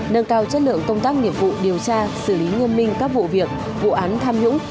nâng cao chất lượng công tác nghiệp vụ điều tra xử lý nghiêm minh các vụ việc vụ án tham nhũng